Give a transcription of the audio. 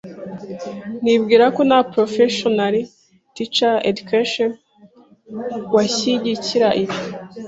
Nibwirako nta professional teacher/educator washyigikira ibi